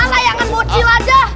layangan bocil aja